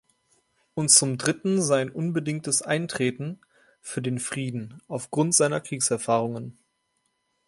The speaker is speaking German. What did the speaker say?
Und zum Dritten sein unbedingtes Eintreten für den Frieden aufgrund seiner Kriegserfahrungen.